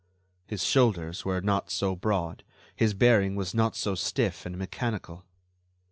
His shoulders were not so broad; his bearing was not so stiff and mechanical.